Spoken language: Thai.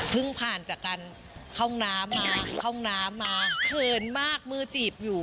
พึ่งผ่านจากการเข้าน้ำมาเขินมากมือจีบอยู่